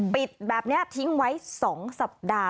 ปิดแบบนี้ทิ้งไว้๒สัปดาห์